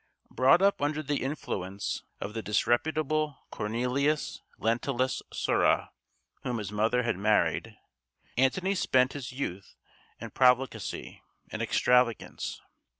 Brought up under the influence of the disreputable Cornelius Lentulus Sura, whom his mother had married, Antony spent his youth in profligacy and extravagance.